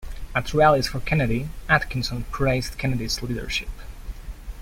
At rallies for Kennedy, Atkinson praised Kennedy's leadership.